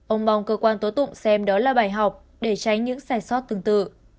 ông mong cơ quan tố tụng xem đó là bài học để tránh những sai sót tương tự